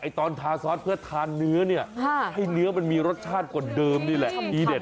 ตอนทาซอสเพื่อทานเนื้อเนี่ยให้เนื้อมันมีรสชาติกว่าเดิมนี่แหละทีเด็ด